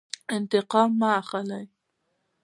انتقام مه اخلئ